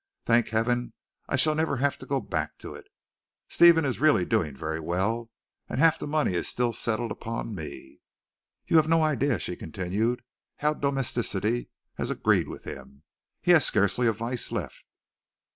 "Thank Heaven, I shall never have to go back to it! Stephen is really doing very well, and half the money is still settled upon me. You have no idea," she continued, "how domesticity has agreed with him. He has scarcely a vice left."